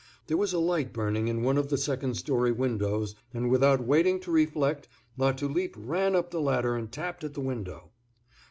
There was a light burning in one of the second story windows, and without waiting to reflect Latulipe ran up the ladder and tapped at the window.